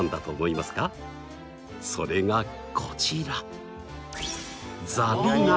それがこちら！